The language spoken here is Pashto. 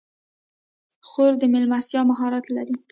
خور د میلمستیا مهارت لري.